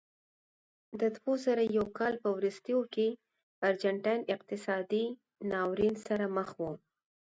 د دوه زره یو کال په وروستیو کې ارجنټاین اقتصادي ناورین سره مخ و.